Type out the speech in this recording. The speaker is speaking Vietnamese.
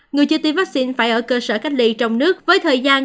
người chưa tiêm vaccine phải ở cơ sở cách ly trong nước với thời gian